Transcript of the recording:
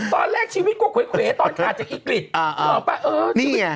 ตอนแรกชีวิตกว่าแขวตอนจากกิริตอ่านี่ไง